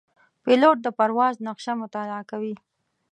پیلوټ د پرواز نقشه مطالعه کوي.